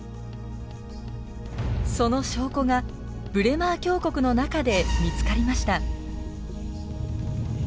その証拠がブレマー峡谷の中で見つかりました。